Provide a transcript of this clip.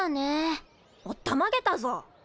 おったまげたぞ。